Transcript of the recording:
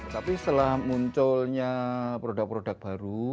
tapi setelah munculnya produk produk baru